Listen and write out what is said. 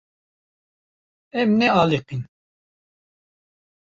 Em nealiqîn.